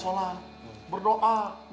sangat mudah sekali abah